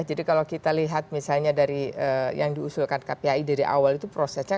jadi kalau kita lihat misalnya dari yang diusulkan kpi dari awal itu prosesnya